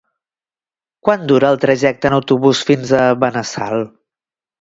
Quant dura el trajecte en autobús fins a Benassal?